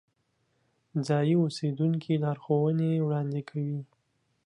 ځایی اوسیدونکي لارښوونې وړاندې کوي.